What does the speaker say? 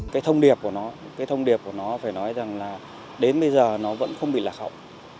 cái thông điệp của nó cái thông điệp của nó phải nói rằng là đến bây giờ nó vẫn không bị lạc hậu